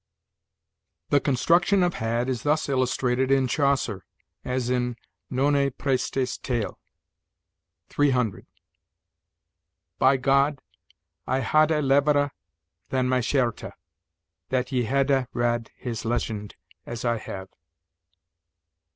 "The construction of 'had' is thus illustrated in Chaucer, as in Nonne Prestes Tale, 300: "'By God, I hadde levere than my scherte, That ye hadde rad his legend, as I have.'